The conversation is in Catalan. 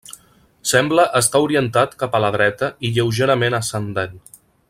Sembla estar orientat cap a la dreta i lleugerament ascendent.